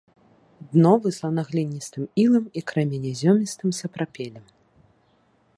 Дно выслана гліністым ілам і крэменязёмістым сапрапелем.